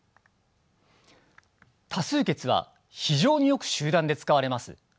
多数決は非常によく集団で使われます。